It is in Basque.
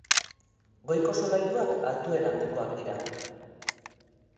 Goiko solairuak altuera handikoak dira.